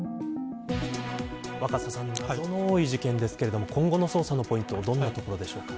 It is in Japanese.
若狭さん謎の多い事件ですけれども今後の捜査のポイントはどんなところですか。